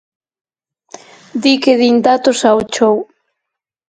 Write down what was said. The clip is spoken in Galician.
Di que din datos ao chou.